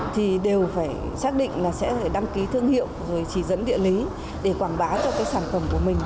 thì đều phải xác định là sẽ đăng ký thương hiệu rồi chỉ dẫn địa lý để quảng bá cho cái sản phẩm của mình